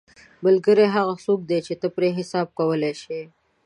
ملګری هغه څوک دی چې ته پرې حساب کولی شې